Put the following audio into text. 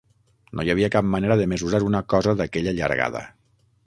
No hi havia cap manera de mesurar una cosa d'aquella llargada.